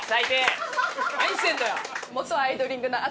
何してんだよ！